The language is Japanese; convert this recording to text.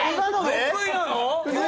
６位なの？